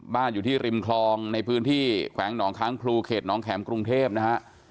อยู่ที่ริมคลองในพื้นที่แขวงหนองค้างพลูเขตน้องแข็มกรุงเทพนะฮะ